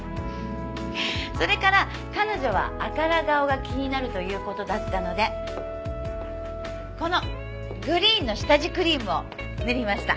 それから彼女は赤ら顔が気になるという事だったのでこのグリーンの下地クリームを塗りました。